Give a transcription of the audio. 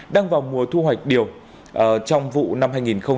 đang vào mùa thu hoạch điều trong vụ năm hai nghìn hai mươi